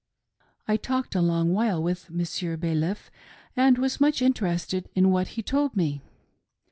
I talked a long while with Monsieur Baliff, and was much interested in what he told me.